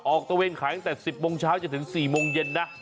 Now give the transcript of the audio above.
ตะเวนขายตั้งแต่๑๐โมงเช้าจนถึง๔โมงเย็นนะ